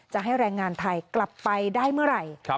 จะให้แรงงานไทยกลับไปได้เมื่อไหร่